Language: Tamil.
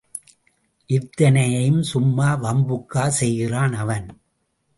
இத்தனையையும் சும்மா வம்புக்கா செய்கிறான் அவன்.